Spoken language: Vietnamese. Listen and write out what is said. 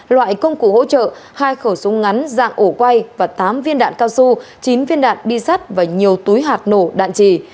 loại công cụ hỗ trợ hai khẩu súng ngắn dạng ổ quay và tám viên đạn cao su chín viên đạn bi sắt và nhiều túi hạt nổ đạn trì